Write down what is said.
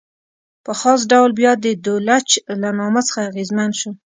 په خاص ډول بیا د دولچ له نامه څخه اغېزمن شو.